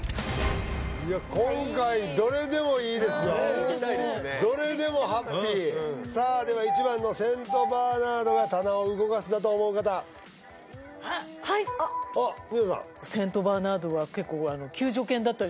いや今回どれでもいいですよ見たいですねさあでは１番のセントバーナードが棚を動かすだと思う方はいあっ美穂さん